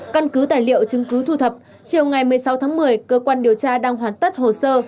căn cứ tài liệu chứng cứ thu thập chiều ngày một mươi sáu tháng một mươi cơ quan điều tra đang hoàn tất hồ sơ